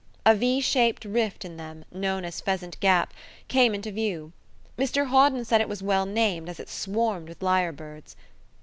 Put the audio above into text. A V shaped rift in them, known as Pheasant Gap, came into view. Mr Hawden said it was well named, as it swarmed with lyrebirds.